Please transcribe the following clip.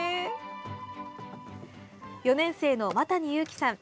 ４年生の麻谷悠貴さん。